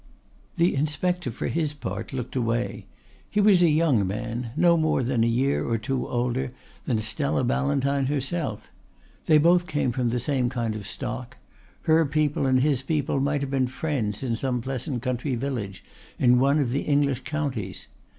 The Inspector for his part looked away. He was a young man no more than a year or two older than Stella Ballantyne herself. They both came from the same kind of stock. Her people and his people might have been friends in some pleasant country village in one of the English counties.